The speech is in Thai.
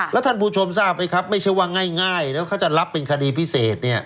แล้วท่านผู้ชมทราบไหมครับไม่ใช่ว่าง่ายแล้วเขาจะรับเป็นคดีพิเศษเนี่ย